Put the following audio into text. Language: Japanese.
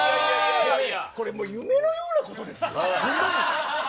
これ夢のようなことですよ。